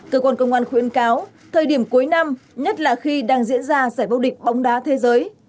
cơ quan công an khuyến cáo thời điểm cuối năm nhất là khi đang diễn ra giải vô địch bóng đá thế giới